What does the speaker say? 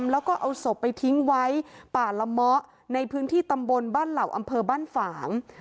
แล้วก็เอาศพไปทิ้งไว้ป่าละเมาะในพื้นที่ตำบลบ้านเหล่าอำเภอบ้านฝาง